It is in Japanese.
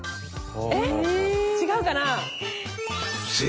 えっ違うかな？